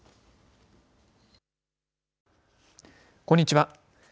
こんにちは。